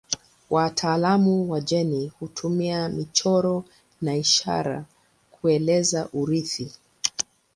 Wataalamu wa jeni hutumia michoro na ishara kueleza urithi.